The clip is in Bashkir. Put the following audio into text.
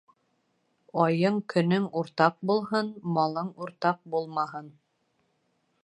Айың-көнөң уртаҡ булһын, малың уртаҡ булмаһын.